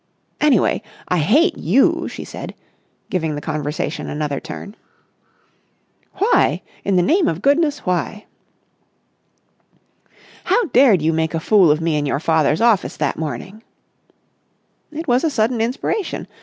"Anyway, I hate you!" she said, giving the conversation another turn. "Why? In the name of goodness, why?" "How dared you make a fool of me in your father's office that morning?" "It was a sudden inspiration.